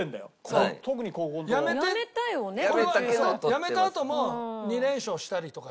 やめたあとも２連勝したりとかしてた。